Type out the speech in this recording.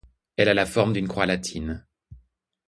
Elle a la forme d'une croix latine.